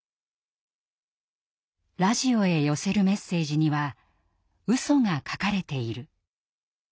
「ラジオへ寄せるメッセージにはうそが書かれている」。